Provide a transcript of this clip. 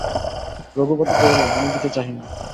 রঘুপতি কহিলেন, আমি কিছু চাহি না।